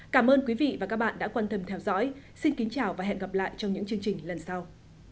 cảm ơn quý vị và các bạn đã quan tâm theo dõi xin kính chào và hẹn gặp lại trong những chương trình lần sau